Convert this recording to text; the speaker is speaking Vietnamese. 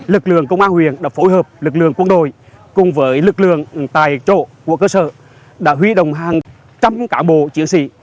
lực lượng công an huyền đã phối hợp lực lượng quân đội cùng với lực lượng tại chỗ của cơ sở đã huy động hàng trăm cán bộ chiến sĩ